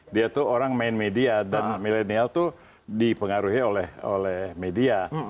dia tuh orang main media dan milenial tuh dipengaruhi oleh media